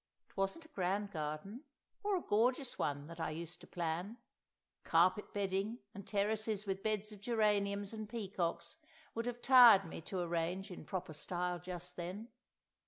It wasn't a grand garden, or a gorgeous one that I used to plan—carpet bedding and terraces with beds of geraniums and peacocks would have tired me to arrange in proper style just then.